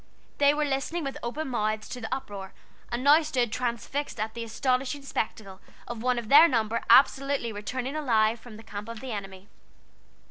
They were listening with open mouths to the uproar, and now stood transfixed at the astonishing spectacle of one of their number absolutely returning alive from the camp of the enemy.